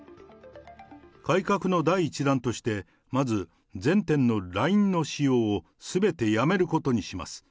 改革の第１弾として、まず、全店のＬＩＮＥの使用をすべてやめることにします。